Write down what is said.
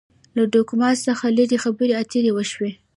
له ډوګما څخه لري خبرې اترې وشي.